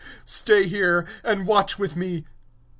Tarry ye here, and watch with me.